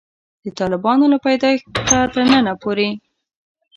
د طالبانو له پیدایښته تر ننه پورې.